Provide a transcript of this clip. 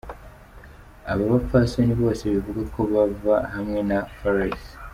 Abo bapfasoni bose bivugwa ko bava hamwe na Fares.